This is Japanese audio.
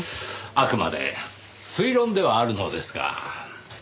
あくまで推論ではあるのですが。